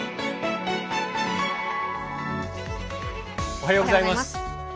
おはようございます。